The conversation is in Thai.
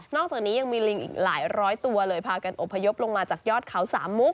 อกจากนี้ยังมีลิงอีกหลายร้อยตัวเลยพากันอบพยพลงมาจากยอดเขาสามมุก